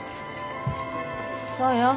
そうよ。